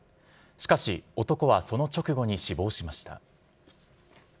しかし男はその直後に死亡しました。